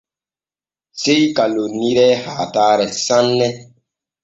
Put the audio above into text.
Sey ka lonniree haatare sanne.